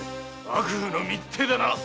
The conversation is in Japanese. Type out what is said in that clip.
幕府の密偵だな！？